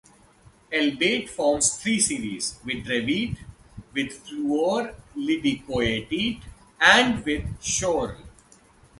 Elbaite forms three series, with dravite, with fluor-liddicoatite, and with schorl.